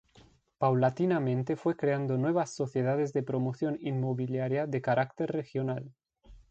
Paulatinamente fue creando nuevas sociedades de promoción inmobiliaria de carácter regional.